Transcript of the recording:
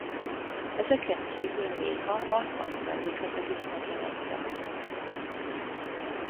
Ezeken kívül néha alkalmi mellékletek is megjelentek.